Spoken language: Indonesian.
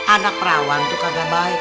anak perawan tuh kaga baik